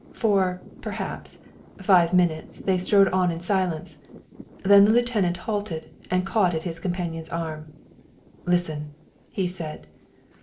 For, perhaps, five minutes they strode on in silence, then the lieutenant halted and caught at his companion's arm. "Listen!" he said.